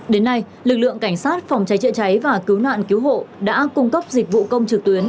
đến nay lực lượng cảnh sát phòng cháy chữa cháy và cứu nạn cứu hộ đã cung cấp dịch vụ công trực tuyến